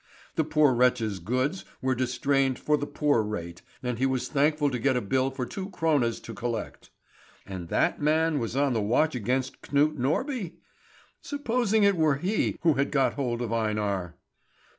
The poor wretch's goods were distrained for the poor rate, and he was thankful to get a bill for two krones to collect. And that man was on the watch against Knut Norby? Supposing it were he who had got hold of Einar!